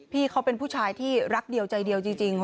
พี่เขาเป็นผู้ชายที่รักเดียวใจเดียวจริง